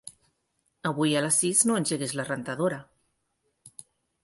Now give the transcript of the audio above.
Avui a les sis no engeguis la rentadora.